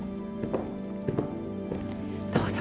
どうぞ。